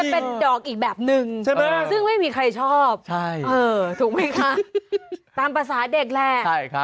เป็นดอกอีกแบบนึงใช่ไหมซึ่งไม่มีใครชอบถูกไหมคะตามภาษาเด็กแหละ